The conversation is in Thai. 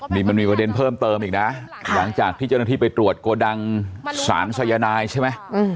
นี่มันมีประเด็นเพิ่มเติมอีกนะหลังจากที่เจ้าหน้าที่ไปตรวจโกดังสารสายนายใช่ไหม